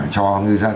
cho ngư dân